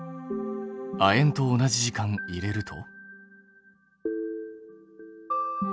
亜鉛と同じ時間入れると？